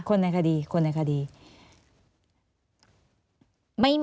คนในคดีคนในคดี